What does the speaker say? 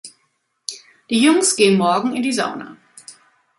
Die jungs gehen morgen in die Sauna.